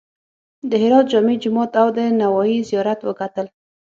د هرات جامع جومات او د نوایي زیارت وکتل.